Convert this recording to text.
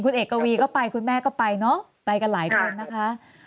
คุณเอกวีก็ไปคุณแม่ก็ไปเนอะไปกันหลายคนนะคะ